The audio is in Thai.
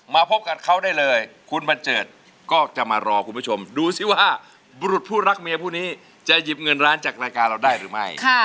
มาพบกับเขาได้เลยคุณบัญเจิดก็จะมารอคุณผู้ชมดูสิว่าบุรุษผู้รักเมียผู้นี้จะหยิบเงินล้านจากรายการเราได้หรือไม่